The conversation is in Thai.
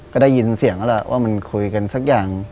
ก็ได้ยินเสียงแล้วแหละว่ามันคุยกันสักอย่าง